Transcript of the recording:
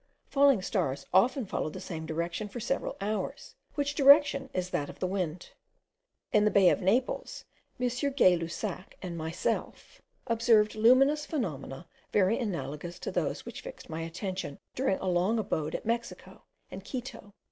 Falling stars often follow the same direction for several hours, which direction is that of the wind. In the bay of Naples, M. Gay Lussac and myself observed luminous phenomena very analogous to those which fixed my attention during a long abode at Mexico and Quito.